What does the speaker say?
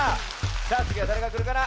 さあつぎはだれがくるかな？